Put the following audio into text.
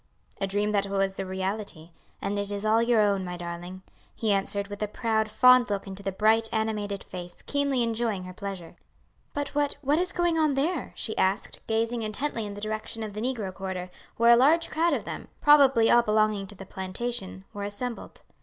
"A dream that was a reality. And it is all your own, my darling," he answered with a proud, fond look into the bright animated face, keenly enjoying her pleasure. "But what, what is going on there?" she asked, gazing intently in the direction of the negro quarter, where a large crowd of them, probably all belonging to the plantation, were assembled.